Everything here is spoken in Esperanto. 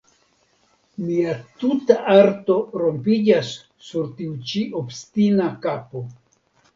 mia tuta arto rompiĝas sur tiu ĉi obstina kapo!